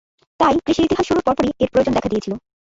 তাই কৃষির ইতিহাস শুরুর পরপরই এর প্রয়োজন দেখা দিয়েছিলো।